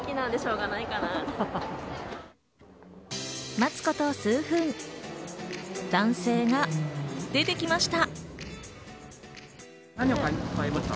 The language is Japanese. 待つこと数分、男性が出てきました。